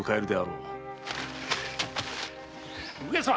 上様！